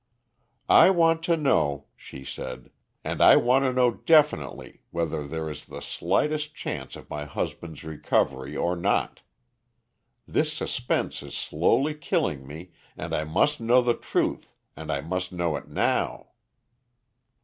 "I want to know," she said, "and I want to know definitely, whether there is the slightest chance of my husband's recovery or not. This suspense is slowly killing me, and I must know the truth, and I must know it now."